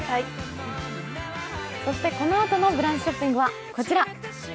そしてこのあとの「ブランチショッピング」はこちら。